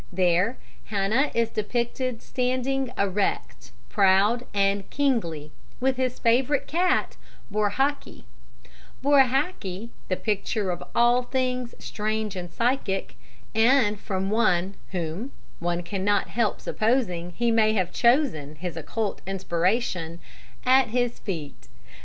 There, Hana is depicted standing erect, proud and kingly, with his favourite cat Borehaki Borehaki, the picture of all things strange and psychic, and from whom one cannot help supposing he may have chosen his occult inspiration at his feet.